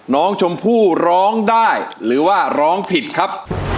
น้องชมพู่ร้องได้หรือว่าร้องผิดครับ